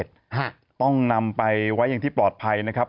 ฮะต้องนำไปไว้อย่างที่ปลอดภัยนะครับ